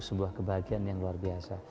sebuah kebahagiaan yang luar biasa